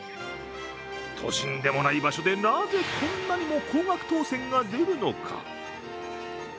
都心でもない場所で、なぜこんなにも高額当せんが出るのか。